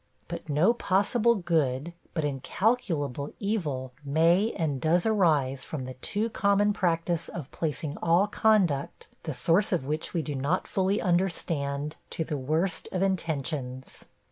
But no possible good, but incalculable evil may and does arise from the too common practice of placing all conduct, the source of which we do not fully understand, to the worst of intentions.